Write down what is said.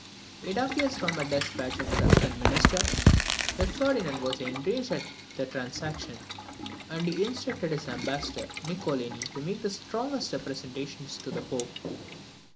It appears from a despatch of the Tuscan minister, that Ferdinand was enraged at the transaction; and he instructed his ambassador, Niccolini, to make the strongest representations to the Pope.